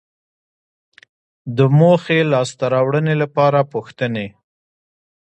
د موخې لاسته راوړنې لپاره پوښتنې